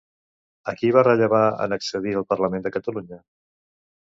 A qui va rellevar en accedir al Parlament de Catalunya?